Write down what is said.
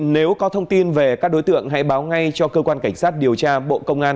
nếu có thông tin về các đối tượng hãy báo ngay cho cơ quan cảnh sát điều tra bộ công an